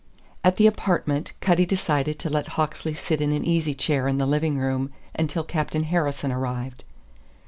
At the apartment Cutty decided to let Hawksley sit in an easy chair in the living room until Captain Harrison arrived.